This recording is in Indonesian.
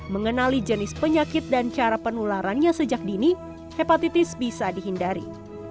mengenali jenis penyakit dan cara penularannya sejak dini hepatitis bisa dihindari